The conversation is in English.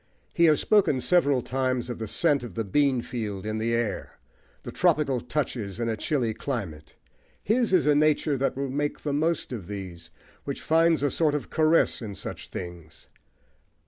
He has spoken several times of the scent of the bean field in the air: the tropical touches in a chilly climate; his is a nature that will make the most of these, which finds a sort of caress in such things.